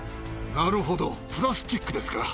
なるほど、プラスチックですか。